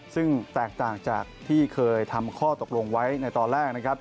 ซึ่งแตกต่างจากที่เคยทำข้อตกลงไว้ในตอนแรกนะครับ